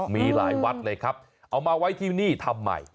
มีหลายวัดเลยครับเอามาไว้ที่นี่ทำไม